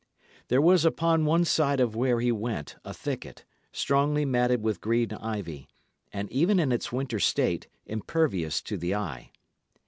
There was upon one side of where he went a thicket, strongly matted with green ivy, and, even in its winter state, impervious to the eye.